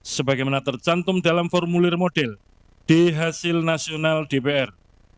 sebagaimana tercantum dalam formulir model di hasil nasional dpr